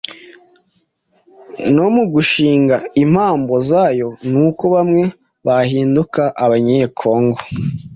no mu gushinga imambo zayo, nuko bamwe bahinduka Abanyekongo